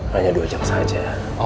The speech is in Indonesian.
hanya dua jam saja